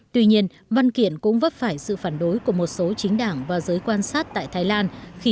tuy nhiên văn kiện cũng vấp phải sự phản đối của một số chính đảng và giới quan sát tại thái lan